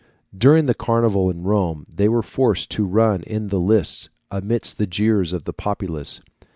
During the Carnival in Rome they were forced to run in the lists, amidst the jeers of the populace.